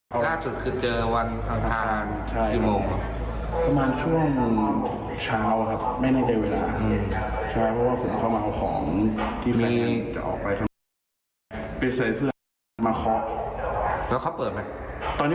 พอดีผมเปิดประตูที่ห้องทิ้งไว้แล้วแฟนผมนอนข้างใน